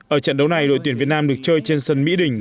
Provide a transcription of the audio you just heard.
ở trận đấu này đội tuyển việt nam được chơi trên sân mỹ đình